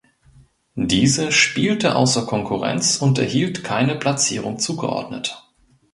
Diese spielte außer Konkurrenz und erhielt keine Platzierung zugeordnet.